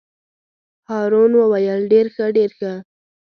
هارون وویل: ډېر ښه ډېر ښه.